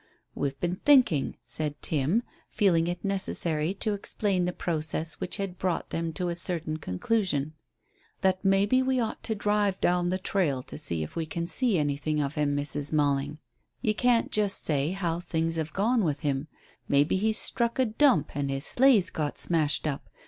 "We've been thinking," said Tim, feeling it necessary to explain the process which had brought them to a certain conclusion, "that maybe we might just drive down the trail to see if we can see anything of him, Mrs. Malling. Ye can't just say how things have gone with him. Maybe he's struck a 'dump' and his sleigh's got smashed up.